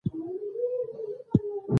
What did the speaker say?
اوس ددې قبر رتبه او حیثیت بدل شو.